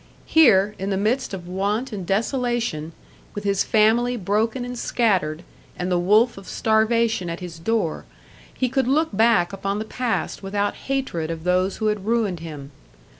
Here, in the midst of want and desolation, with his family broken and scattered, and the wolf of starvation at his door, he could look back upon the past without hatred of those who had ruined him.